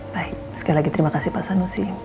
baik sekali lagi terima kasih pak sanusi